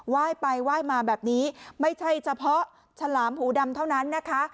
ยไปไหว้มาแบบนี้ไม่ใช่เฉพาะฉลามหูดำเท่านั้นนะคะ